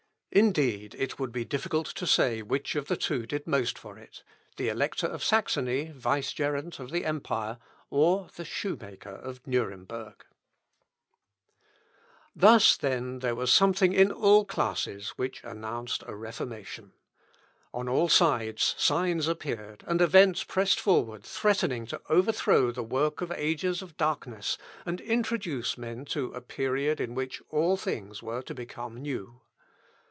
Indeed, it would be difficult to say which of the two did most for it the elector of Saxony, vicegerent of the empire, or the shoemaker of Nuremberg. Thus, then, there was something in all classes which announced a Reformation. On all sides signs appeared, and events pressed forward threatening to overthrow the work of ages of darkness, and introduce men to a period in which "all things were to become new."